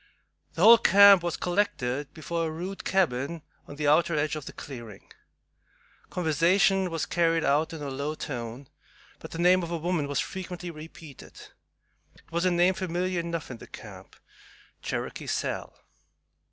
The whole camp was collected before a rude cabin on the outer edge of the clearing. Conversation was carried on in a low tone, but the name of a woman was frequently repeated. It was a name familiar enough in the camp, "Cherokee Sal."